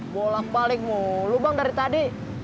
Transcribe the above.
bolak balik mulu bang dari tadi